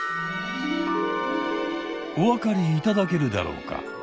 おわかりいただけるだろうか。